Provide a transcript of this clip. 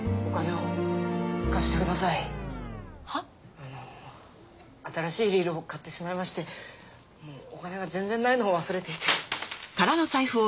あの新しいリールを買ってしまいましてお金が全然ないのを忘れていて。